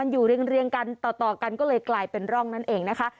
อยู่เรียงกันต่อกันก็เลยกลายเป็นร่องนั่นเองนะคะ